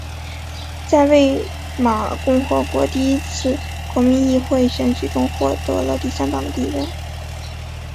在魏玛共和国第一次国民议会选举中获得了第三党的地位。